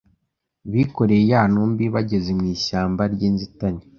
bikoreye ya ntumbi Bageze mu ishyamba ry'inzitane,